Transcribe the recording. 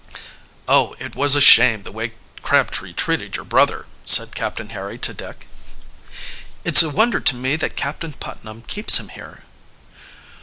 "Oh, it was a shame the way Crabtree treated your brother!" said Captain Harry to Dick. "It's a wonder to me that Captain Putnam keeps him here."